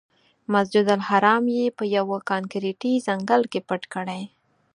مسجدالحرام یې په یوه کانکریټي ځنګل کې پټ کړی.